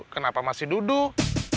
kenapa masih duduk